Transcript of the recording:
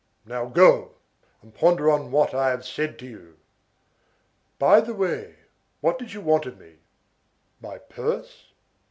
Now go, and ponder on what I have said to you. By the way, what did you want of me? My purse?